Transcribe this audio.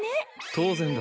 当然だ。